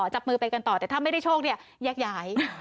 แต่ถ้าไม่ได้โชคเนี่ยแยกหยาย